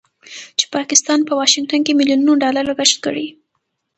چې پاکستان په واشنګټن کې مليونونو ډالر لګښت کړی